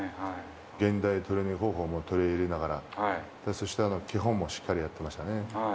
現代トレーニング方法も取り入れながら、そして基本もしっかりやってましたね。